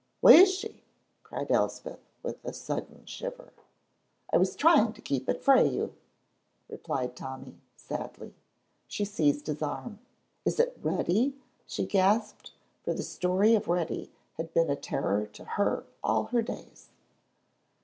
"Wha is she?" cried Elspeth, with a sudden shiver. "I was trying to keep it frae you," replied Tommy, sadly. She seized his arm. "Is it Reddy?" she gasped, for the story of Reddy had been a terror to her all her days.